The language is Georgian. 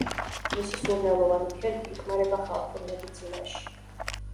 მისი სურნელოვანი ქერქი იხმარება ხალხურ მედიცინაში.